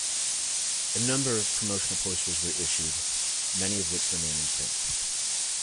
A number of promotional posters were issued, many of which remain in print.